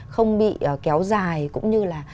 không bị kéo dài cũng như là